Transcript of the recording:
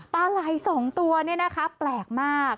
ปลาไหล่สองตัวนี่แปลกมาก